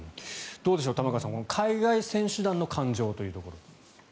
どうでしょう、玉川さん海外選手団の感情というところ。